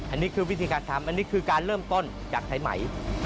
อันนี้คือวิธีการทำอันนี้คือการเริ่มต้นจากไทยใหม่